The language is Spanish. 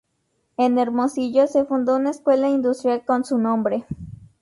En Hermosillo se fundó una escuela industrial con su nombre.